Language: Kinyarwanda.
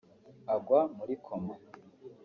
agwa muri koma